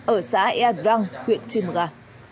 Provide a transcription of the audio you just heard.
ở xã ea drang huyện tri bờ ga